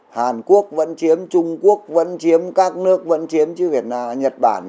hàn quốc vẫn chiếm trung quốc vẫn chiếm các nước vẫn chiếm chứ việt nam nhật bản